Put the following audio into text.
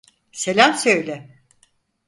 Selam söyle.